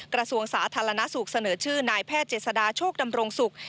กระทรวงสาธารณสุขเสนอชื่อนายแพทย์เจษฎาโชคดำรงศุกร์